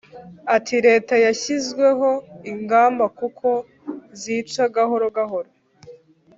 Ati “ Leta yashyizweho ingamba kuko zica gahoro gahoro